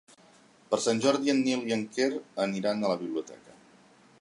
Per Sant Jordi en Nil i en Quer aniran a la biblioteca.